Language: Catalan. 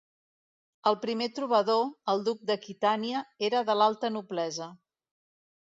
El primer trobador, el Duc d'Aquitània, era de l'alta noblesa.